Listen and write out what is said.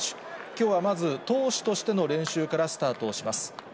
きょうはまず、投手としての練習からスタートをします。